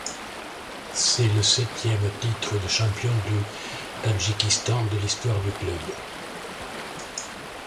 C'est le septième titre de champion du Tadjikistan de l'histoire du club.